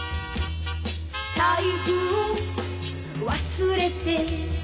「財布を忘れて」